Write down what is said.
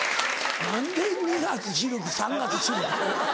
何で２月シルク３月シルク。